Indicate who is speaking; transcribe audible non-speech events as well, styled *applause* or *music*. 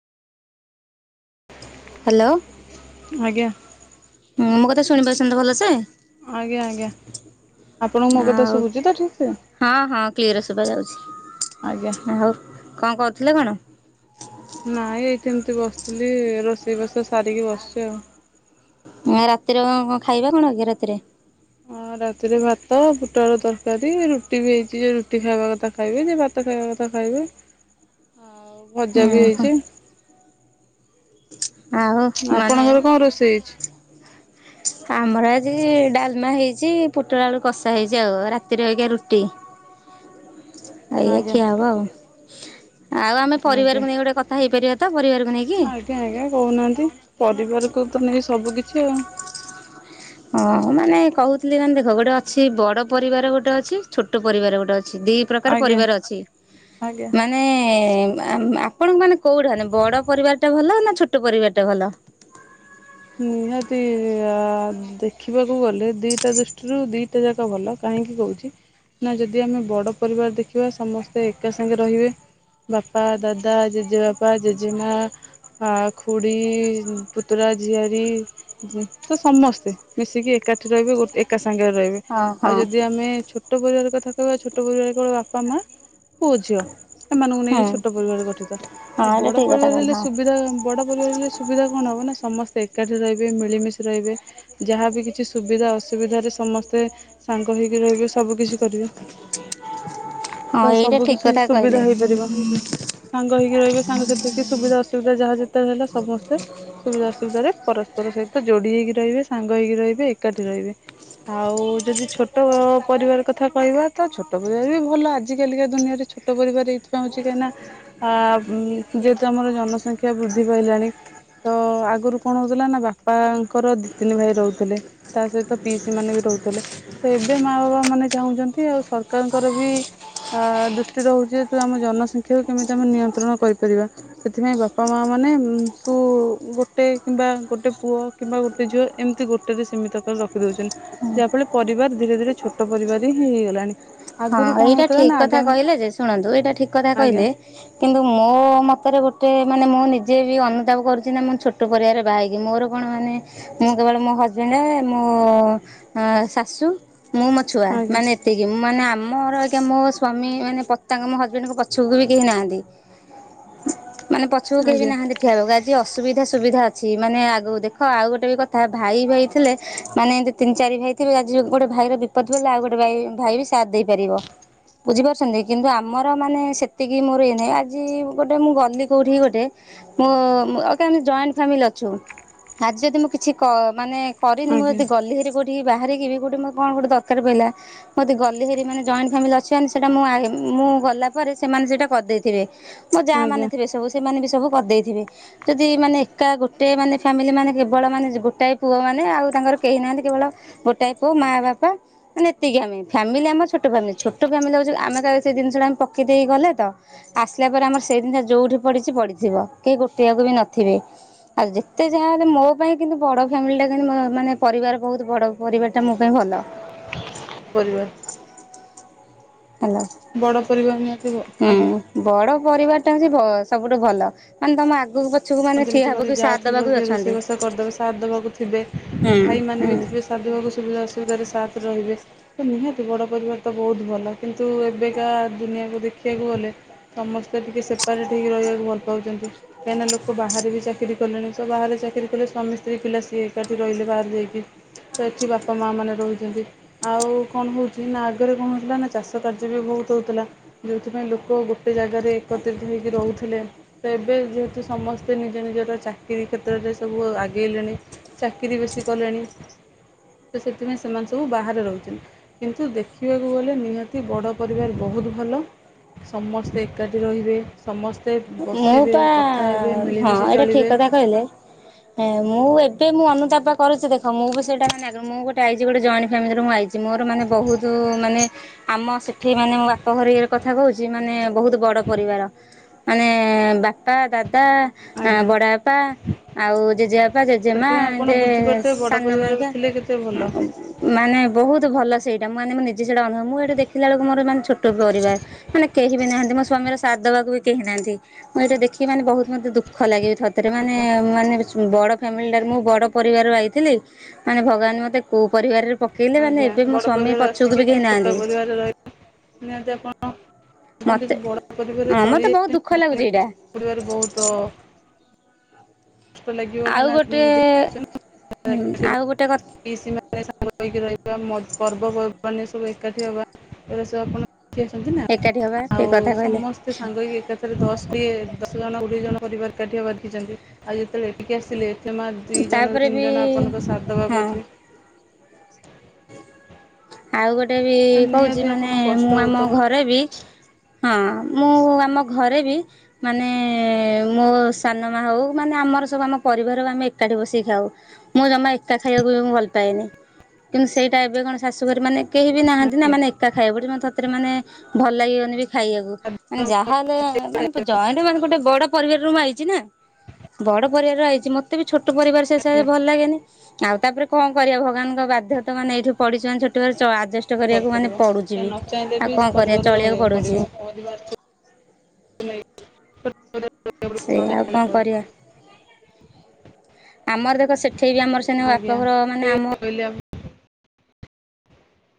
Speaker 1: Hello.
Speaker 2: ଆଜ୍ଞା।
Speaker 1: ହୁଁ ମୋ କଥା ଶୁଣିପାରୁଛନ୍ତି ତ ଭଲ ସେ।
Speaker 2: ଆଜ୍ଞା ଆଜ୍ଞା। ଆପଣଙ୍କୁ ମୋ କଥା
Speaker 1: ଆଉ
Speaker 2: ଶୁଭୁଛି ତ ଠିକ୍ ସେ
Speaker 1: ହଁ ହଁ କ୍ଲିଅର ଶୁଭା
Speaker 2: ଆଜ୍ଞା
Speaker 1: ଯାଉଛି। ଆଉ କଣ କରୁଥିଲେ କଣ?
Speaker 2: ନାଇଁ ଏଇଠି ଏମିତି ବସିଥିଲି ରୋଷେଇ ବାସ ସାରିକି ବସିଛି ଆଉ।
Speaker 1: ମୁଁ ଆଉ ରାତିରେ କଁ କଁ ଖାଇବା କଣ ହଉଛି ରାତିରେ?
Speaker 2: ହଁ ରାତିରେ ଭାତ ବୁଟ ଆଳୁ ତରକାରୀ ରୁଟି ବି ହେଇଛି ଯିଏ ରୁଟି ଖାଇବା କଥା। ଖାଇବେ ଯେ ଭାତ ଖାଇବା କଥା ଖାଇବେ। ଆଉ ଭଜା ବି
Speaker 1: ଓହୋ
Speaker 2: ହେଇଛି।
Speaker 1: ଆଉ ମାନେ
Speaker 2: ଆପଣଙ୍କର କଣ ରୋଷେଇ ହେଇଛି।
Speaker 1: ଆମର ଆଜି ଡାଲମା ହେଇଛି। ପୋଟଳ, ଆଳୁ କଷା ହେଇଛି ଆଉ ରାତିରେ ଅଇକା ରୁଟି। ଅଇକା
Speaker 2: ଆଜ୍ଞା
Speaker 1: ଖିଆ ହବ ଆଉ। ଆଉ ଆମେ
Speaker 2: ଆଜ୍ଞା
Speaker 1: ପରିବାରକୁ ନେଇ ଗୋଟେ କଥା ହେଇପାରିବା ତ ପରିବାରକୁ ନେଇକି।
Speaker 2: ଆଜ୍ଞା ଆଜ୍ଞା କହୁନାହାନ୍ତି ପରିବାରକୁ ତ ନେଇ ସବୁ କିିଛି ଆଉ।
Speaker 1: ହଁ ମାନେ କହୁଥିଲି ମାନେ ଦେଖ ଗୋଟେ ଅଛି ବଡ ପରିବାର ଗୋଟେ ଅଛି ଛୋଟ ପରିବାର ଗୋଟେ ଅଛି। ଦି ପ୍ରକାର
Speaker 2: ଆଜ୍ଞା
Speaker 1: ପରିବାର ଅଛି
Speaker 2: ଆଜ୍ଞା
Speaker 1: ମାନେ ଆପଣଙ୍କ ମାନେ କୋଉଟା ମାନେ ବଡ ପରିବାରଟା ଭଲ ନା ଛୋଟ ପରିବାରଟା ଭଲ?
Speaker 2: ନିହାତି ଦେଖିବାକୁ ଗଲେ ଦିଟା ଦୃଷ୍ଟିରୁ ଦିଟା ଯାକ ଭଲ। କାହିଁକି କହୁଛି ନା ଯଦି ଆମେ ବଡ଼ ପରିବାର ଦେଖିବା ସମସ୍ତେ ଏକା ସାଙ୍ଗରେ ରହିବେ। ବାପା, ଦାଦା, ଜେଜେବାପା, ଜେଜେମା ହଁ ଖୁଡ଼ି, ପୁତୁରା ଝିଆରୀ ତ ସମସ୍ତେ ମିଶିକି ଏକାଠି ରହିବେ ଗୋ ଏକା ସାଙ୍ଗରେ ରହିବେ।
Speaker 1: ହଁ ହଁ
Speaker 2: ଆଉ ଯଦି ଆମେ ଛୋଟ ପରିବାର କଥା କହିବା ଛୋଟ ପରିବାର କେବଳ ବାପା ମା ପୁଅ ଝିଅ ଏମାନଙ୍କୁ ନେଇକି
Speaker 1: ହଁ
Speaker 2: ଛୋଟ ପରିବାର ଗଠିତ। ଆଉ
Speaker 1: ଏଇଟା
Speaker 2: ବଡ଼
Speaker 1: ଠିକ କଥା
Speaker 2: ପରିବାର
Speaker 1: କହିଲେ
Speaker 2: ହେଲେ
Speaker 1: ହଁ।
Speaker 2: ସୁବିଧା ବଡ଼ ପରିବାରରେ ସୁବିଧା କଣ ହେବ ନା ସମସ୍ତେ ଏକାଠି ରହିବେ ମିଳିମିଶି ରହିବେ। ଯାହାବି କିଛି ସୁବିଧା ଅସୁବିଧାରେ ସମସ୍ତେ ସାଙ୍ଗ ହେଇକି ରହିବେ ସବୁ କିିଛି କରିବେ।
Speaker 1: ହଁ
Speaker 2: ତ
Speaker 1: ଏଇଟା
Speaker 2: ସବୁ
Speaker 1: ଠିକ୍
Speaker 2: କିିଛି
Speaker 1: କଥା
Speaker 2: ସୁବିଧା
Speaker 1: କହିଲେ।
Speaker 2: ହେଇପାରିବ। ସାଙ୍ଗ ହେଇକି ରହିବେ, ସାଙ୍ଗ ସାଥିରେ କି ସୁବିଧା ଅସୁବିଧା ଯାହା ଯେତେ ହେଲା ସମସ୍ତେ ସୁବିଧା ଅସ ଧାରେ ପରସ୍ପର ସହିତ ଯୋଡି଼ ହେଇକି ରହିବେ ସାଙ୍ଗ ହେଇକି ରହିବେ ଏକାଠି ରହିବେ। ଆଉ ଯଦି ଛୋଟ ପରିବାର କଥା କହିବା ତ ଛୋଟ ପରିବାର ବି ଭଲ ଆଜି କାଲିକା ଦୁନିଆରେ ଛୋ ଛୋଟ ପରିବାର ଏଇଥିପାଇଁ ହଉଛି କାହିଁ ନା ଆ ଯେହେତୁ ଆମର ଜନସଂଖ୍ୟା ବୃଦ୍ଧି ପାଇଲାଣି। ତ ଆଗରୁ କଣ ହଉଥିଲା ନା ବାପାଙ୍କର ଦି ତିନି ଭାଇ ରହୁଥିଲେ ତା ସହିତ ପିଇସି ମାନେ ବି ରହୁଥିଲେ। ତ ଏବେ ମା ବାପା ମାନେ ଚାହୁଁଛନ୍ତି ଆଉ ସରକାରଙ୍କର ବି ଅ ଦୃଷ୍ଟି ରହୁଛି ତୁ ଆମ ଜନସଂଖ୍ୟାକୁ କେମିତି ଆମେ ନିୟନ୍ତ୍ରଣ କରିପାରିବା। ସେଥିପାଇଁ ବାପା ମା ମାନେ ଙ୍କୁ ଗୋଟେ କିମ୍ବା ଗୋଟେ ପୁଅ କିମ୍ବା ଗୋଟେ ଝିଅ ଏମିତି ଗୋଟେରେ ସୀମିତ କରି ରଖି ଦଉଛନ୍ତି। ଯାହା ଫଳରେ ପରିବାର ଧୀରେ ଧୀରେ ଛୋଟ ପରିବାର ହିିଁ ହେଇଗଲାଣି।
Speaker 1: ହଁ
Speaker 2: ଆଗରୁ କଣ
Speaker 1: ଏଇଟା
Speaker 2: ହଉଥିଲା
Speaker 1: ଠିକ
Speaker 2: ନା
Speaker 1: କଥା
Speaker 2: ଆଗାମୀ
Speaker 1: କହିଲେ ଯେ ଶୁଣନ୍ତୁ ଏଇଟା ଠିକ କଥା
Speaker 2: ଆଜ୍ଞା
Speaker 1: କହିଲେ କିନ୍ତୁ ମୋ ମୋ ମତରେ ଗୋଟେ ମାନେ ମୁଁ ନିଜେ ବି ଅନୁତାପ କରୁଛି ନା ମୁଁ ଛୋଟ ପରିବାରରେ ବାହା ହେଇକି, ମୋର କଣ ମାନେ ମୁଁ କେବଳ ମୋ ହଜବେଣ୍ଡ ମୁଁ ଶାଶୁ, ମୁଁ ମତେ ଛୁଆ
Speaker 2: ଆଜ୍ଞା
Speaker 1: ମାନେ ଏତିକି ମୁଁ ମାନେ ଆମ ମୋର ଅଇଁକା ମୋ ସ୍ଵାମୀ ମାନେ ପତାଙ୍ଗ ମୋ ହଜବେଣ୍ଡଙ୍କ ପଛକୁ ବି କେହି ନାହାନ୍ତି। ମାନେ ପଛକୁ କେହି ବି
Speaker 2: ଆଜ୍ଞା
Speaker 1: ନାହାନ୍ତି। ଉଠିଆବ ଆଜି ଅସୁବିଧା ସୁବିଧା ଅଛି ମାନେ ଆଗକୁ ଦେଖ ଆଉ ଗୋଟେ ବି କଥା ଭାଇ ଭାଇ ଥିଲେ ମାନେ ଏମି ତିନି ଚାରି ଭାଇ ଥିବେ ଆଜି ଗୋଟେ ଭାଇର ବିପଦ ପଡ଼ିଲେ ଆଉ ଗୋଟେ ଭାଇ ବି ସାଥ ଦେଇପାରିବ। ବୁଝିପାରୁଛନ୍ତି କିନ୍ତୁ ଆମର ମାନେ ସେତିକି ମୋର ଏଇ ନାହିଁ ଆଜି ଗୋଟେ ମୁଁ ଗଲି କଉଠି କି ଗୋଟେ। ମୁଁମ ଜଏଣ୍ଟ ଫ୍ୟାମିଲି ଅଛୁ ଆଜି ଯଦି ମୁଁ କିଛି କ ମାନେ କରିନି ମୁଁ
Speaker 2: ଆଜ୍ଞା
Speaker 1: ଯଦି ଗଲି ହେରି କୋଉଠି ବାହାରି କିବି କୋଉଠି ମୋ କଣ ଗୋଟେ ଦରକାର ପଇଲା ମତେ ଗଲି ହେରି ମାନେ ଜଏଣ୍ଟ ଫ୍ୟାମିଲି ଅଛି ମାନେ ସେଇଟା ମୁଁ ମୁଁ ଗଲା ପରେ ସେମାନେ ସେଇଟା କରିଦେଇଥିବେ। ମୋ ଯାଆ ମାନେ
Speaker 2: ଆଜ୍ଞା
Speaker 1: ଥିବେ ସବୁ ସେମାନେ ବି ସବୁ କରିଦେଇଥିବେ। ଯଦି ମାନେ ଏକା ଗୋଟେ ମାନେ ଫାମିଲି ମାନେ କେବଳ ମାନେ ଗୋଟାଏ ପୁଅ ମାନେ ଆଉ ତାଙ୍କର କେହି ନାହାନ୍ତି କେବଳ ଗୋ ଗୋଟାଏ ମାଆ ବାପା ମାନେ ଏତିକି ଆମେ ଫ୍ୟାମିଲି ଆମ ଛୋଟ ଫ୍ୟାମିଲି, ଛୋଟ ଫ୍ୟାମିଲି ହଉଛି ଆମେ ସେ ଜିନିଷଟା ଆମେ ପକେଇ ଦେଇକି ଗଲେ ତ ଆସିଲା ପରେ ଆମର ସେଇ ଜିନିଷ ଯୋଉଠି ପଡି଼ଛି ପଡିି଼ଥିବ କେହି ଗୋଟେଇବାକୁ ବି ନଥିବେ। ଆଉ ଯେତେ ଯାହା ହେଲେ ମୋ ପାଇଁ କିନ୍ତୁ ବଡ଼ ଫ୍ୟାମିଲିଟା କି ମାନେ ପରିବାର ବହୁତ ବଡ଼ ପରିବାର ଟା ମୋ ପାଇଁ ଭଲ।
Speaker 2: ପରିବାର
Speaker 1: ହ୍ୟାଲୋ।
Speaker 2: ବଡ଼ ପରିବାର ନିହାତି ବ-ଆଜ୍ଞା।
Speaker 1: ବଡ ପରିବାର ଟା ହଉଚି ଭ-ସବୁଠୁ ଭଲ ମାନେ ତମ ଆଗୁକୁ ପ
Speaker 2: ଯେମିତି କହିଲି ଜା ଥିବ କିଏ ରୋଷେଇ ବାସ କରିଦେବେ ସାଥ୍ ଦେବାକୁ ଥିବେ
Speaker 1: ହୁଁ
Speaker 2: ଭାଇମାନେ ବି
Speaker 1: ହୁଁ।
Speaker 2: ଥିବେ ସେ ସାଥ୍ ଦେବାକୁ ସୁବିଧା ଅସୁବିଧାରେ ସାଥ୍ ରେ ରହିବେ। ନିହାତି ବଡ଼ ପରିବାର ତ ବହୁତ୍ ଭଲ କିନ୍ତୁ ଏବେକା ଦୁନିଆକୁ ଦେଖିବାକୁ ଗଲେ ସମସ୍ତେ ଟିକେ ସେପାରେଟ୍ ହେଇକି ରହିବାକୁ ଭଲ ପାଉଚନ୍ତି କାହିଁକିନା ଲୋ ଚାକିରି କଲେଣି ତ ବାହାରେ ଚାକିରି କଲେ ସ୍ୱାମୀ ସ୍ତ୍ରୀ ପିଲା ସିଏ ଏକାଠି ରହିଲେ ବାହାରେ ଯାଇକି। ତ ଏଠି ବାପା ମା ମାନେ ରହୁଚନ୍ତି। ଆଉ କଣ ହଉଚି ନା ଆଗରେ କଣ ହଉଥିଲା ନା ଚାଷ କାର୍ଯ୍ୟ ବି ବହୁତ୍ ହଉଥିଲା। ଯଉଥିପାଇଁ ଲୋକ ଗୋଟେ ଜାଗାରେ ଏକତ୍ରିତ ହେଇକି ରହୁଥିଲେ ତ ଏବେ ଯେହେତୁ ସମସ୍ ତେ ନିଜ ନିଜର ଚାକିରୀ କ୍ଷେତ୍ରରେ ସବୁ ଆଗେଇଲେଣି ଚାକିରି ବେଶୀ କଲେଣି ତ ସେଥିପାଇଁ ସେମାନେ ସବୁ ବାହାରେ ରହୁଚନ୍ତି। କିନ୍ତୁ ଦେଖିବାକୁ ଗଲେ ନିହାତି ବଡ଼ ପରିବାର୍ ବହୁତ୍ ଭଲ। ସମସ୍ତେ ଏକାଠି ରହିବେ ସମସ୍ତେ ବସିବେ କଥା ହେବେ
Speaker 1: ହଁ- ହଁ
Speaker 2: ମିଳିମିଶି
Speaker 1: ଏଇଟା ଠିକ୍
Speaker 2: ଚଳିବେ
Speaker 1: କଥା କହିଲେ। ହଁ ମୁଁ ଏବେ ମୁଁ ଅନୁତାପା କରୁଚି ଦେଖ ମୁଁ ବି ସେଇଟା ମାନେ ଆଗ ମୁଁ ଗୋଟେ ଆଇଚି ଗୋଟେ ଜଏଣ୍ଟ୍ ଫ୍ୟାମିଲିରୁ ମୁଁ ଆଇଚି। ମୋର ମାନେ ବହୁତୁ ମାନେ ଆମ ସେ ଏଠି ମାନେ ମୋ ବାପ ଘର ଇଏରେ କଥା କହୁଚି ମାନେ ବହୁତ୍ ବଡ ପରିବାର ମାନେ ବାପା, ଦାଦା, ଆଁ
Speaker 2: ଆଜ୍ଞା
Speaker 1: -ବଡ ବାପା ଆଉ ଜେଜେବାପା, ଜେଜେମା
Speaker 2: ସେଥିପାଇଁ ଆପଣ
Speaker 1: ଯେ
Speaker 2: ବୁଝିପାରୁଥିବେ ବଡ଼
Speaker 1: ସାନ
Speaker 2: ପରିବାର ଥିଲେ କେତେ ଭଲ
Speaker 1: *unintelligible* ମାନେ ବହୁତ୍ ଭଲ ସେଇଟା ମାନେ ମୁଁ ନିଜେ ସେଇଟା ଅନୁଭବ ମୁଁ ଏଇଟା ଦେଖିଲା ବେଳକୁ ମୋର ମାନେ ଛୋଟ ପରିବାର୍ ମାନେ କେହି ବି ନାହାନ୍ତି ମୋ ସ୍ଵାମୀର ସାଥ୍ ଦବାକୁ ବି କେହି ନାହାନ୍ତି। ମୁଁ ଏଇଟା ଦେଖିକି ମାନେ ବହୁତ୍ ମତେ ଦୁଃଖ ଲାଗେ ଥରେ ଥରେ ମାନେ- ମାନେ ବଡ ଫ୍ୟାମିଲିଟାରେ ମୁଁ ବଡ ପରିବାରରୁ ଆଇଥିଲି ମାନେ ଭଗବାନ୍ ମତେ କଉ ପରିବାରରେ ପକେଇଲେ ମାନେ
Speaker 2: ଆଜ୍ଞା
Speaker 1: ଏବେ ବି ମୋ
Speaker 2: ବଡ଼
Speaker 1: ସ୍ଵାମୀ
Speaker 2: ପରିବାର ଆସିକି
Speaker 1: ପଛକୁ ବି
Speaker 2: ଏଠି
Speaker 1: କେହି
Speaker 2: ଛୋଟ
Speaker 1: ନାହାନ୍ତି।
Speaker 2: ପରିବାର ରହି ନିହାତି ଆପଣ
Speaker 1: ମତେ
Speaker 2: ଗୋଟେ ବଡ ପରିବାରରେ
Speaker 1: ହଁ
Speaker 2: ଚଳି
Speaker 1: ମତେ ବହୁତ ଦୁଃଖ
Speaker 2: ଯାଇଚନ୍ତି। *inaudible*
Speaker 1: ଲାଗୁଛି ଏଇଟା
Speaker 2: ଆଜିକାଲି ବହୁତ
Speaker 1: ଆଉ ଗୋଟେ ହୁଁ ଆଉ ଗୋଟେ କଥା
Speaker 2: *inaudible* ପିଇସି ମା ସାଙ୍ଗ ହେଇକି ରହିବା ପର୍ବପର୍ବାଣି ସବୁ ଏକାଠି ହବା ଏରା ସବୁ ଆପଣ *unintelligible* ଅଛନ୍ତିନା
Speaker 1: ଏକାଠି ହବା ଠିକ
Speaker 2: ଆଉ
Speaker 1: କଥା କହିଲେ
Speaker 2: ସମସ୍ତେ ସାଙ୍ଗ ହେଇକି ଏକାଠି ଯେତେବେଳେ ଦଶ୍ କି ଦଶ ଜଣ କୋଡ଼ିଏ ଜଣ ପରିବାର ଏକାଠି ହବାର ଦେଖିଚନ୍ତି ଆଉ ଯେତେବେଳେ ଏଠିକି ଆସିଲେ ଜମା ଦି ଜଣରୁ
Speaker 1: ତାପରେ
Speaker 2: ତିନି
Speaker 1: ବି
Speaker 2: ଜଣ ଆପଣଙ୍କ ସାତ୍ ଦବାକୁ
Speaker 1: ହଁ
Speaker 2: ଅଛନ୍ତି।
Speaker 1: ଆଉ ଗୋଟେ ବି
Speaker 2: ତ
Speaker 1: କହୁଚି
Speaker 2: ନିହାତି
Speaker 1: ମାନେ
Speaker 2: ଆପଣଙ୍କୁ କଷ୍ଟ
Speaker 1: ମୁଁ ଆମ
Speaker 2: ହେଉଥିବ।
Speaker 1: ଘରେ ବି ହଁ ମୁଁ ଆମ ଘରେ ବି ମାନେ ମୋ ସାନ ମା ହଉ ମାନେ ଆମର ସବୁ ଆମ ପରିବାର ଆମେ ଏକାଠି ବସିକି ଖାଉ। ମୁଁ ଜମା ଏକା ଖାଇବାକୁ ବି ମୁଁ ଭଲ ପାଏନି। କିନ୍ତୁ ସେଇଟା ଏବେ କଣ ଶାଶୁଘରେ ମାନେ କେହି ବି ନାହାନ୍ତି ନା ମାନେ ଏକା ଖାଇବାକୁ ପଡୁଚି ମତେ ଥ ଥରେ ମାନେ ଭଲ୍ ଲାଗିବନି ବି ଖାଇବାକୁ ମାନେ ଯାହାହେଲେ ମାନେ ଜଏଣ୍ଟ୍ ମାନେ ଗୋଟେ ବଡ ପରିବାର ରୁ ମୁଁ ଆଇଚି ନା। ବଡ ପରିବାରରୁ ଆଇଚି ମତେ ବି ଛୋଟ ପରିବାର ଶେଷରେ ଭଲ ଲାଗେନି ଆଉ ତାପରେ କଣ କରିବା ଭଗବାନ୍ ଙ୍କ ବା *inaudible* ମାନେ ଏଇଠୁ ପଡିଚନ୍ତି *unintelligible* କଷ୍ଟ କରିବାକୁ
Speaker 2: କରିପାରିବ
Speaker 1: ମାନେ
Speaker 2: ତ
Speaker 1: ପଡୁଚି
Speaker 2: ନ
Speaker 1: ବି
Speaker 2: ଚାହିଁଲେ ବି
Speaker 1: ଆଉ କଣ କରିବା
Speaker 2: ପରିବାର
Speaker 1: ଚଳିବାକୁ
Speaker 2: ରହିବାକୁ ପଡ଼ିବ
Speaker 1: ପଡୁଚି।
Speaker 2: ପରିବାର ଠୁ
Speaker 1: ସେଇଆ ଆଉ କଣ କରିବା ଆମର ଦେଖ ସେଠେଇ ବି ଆମର ସେନ
Speaker 2: ଆଜ୍ଞା
Speaker 1: ବାପଘର ମାନେ
Speaker 2: ସେ
Speaker 1: ଆମ
Speaker 2: କହିଲେ ଆ